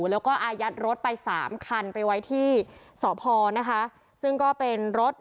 แล้วก็อายัดรถไปสามคันไปไว้ที่สพนะคะซึ่งก็เป็นรถ